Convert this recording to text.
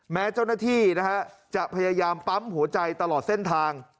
แม้เจ้าหน้าที่นะฮะจะพยายามปั๊มหัวใจตลอดเส้นทาง